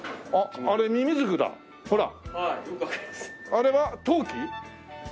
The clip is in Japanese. あれは陶器？